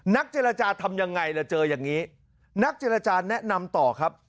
นักเจรจาทำยังไงล่ะเจออย่างนี้นักเจรจาแนะนำต่อครับ